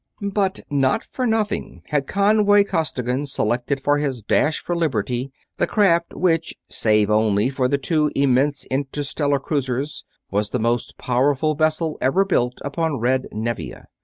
But not for nothing had Conway Costigan selected for his dash for liberty the craft which, save only for the two immense interstellar cruisers, was the most powerful vessel ever built upon red Nevia.